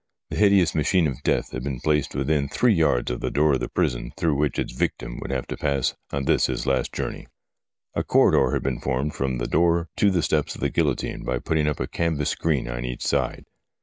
The hideous machine of death had been placed within three yards of the door of the prison through which its victim would have to pass on this his last journey. A corridor had been formed from the door to the steps of the guillotine by putting up a canvas screen on each side.